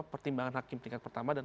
pertimbangan hakim tingkat pertama dan